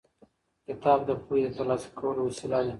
کتاب د پوهې د ترلاسه کولو وسیله ده.